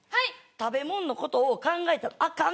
食べもんのことを考えたらあかん。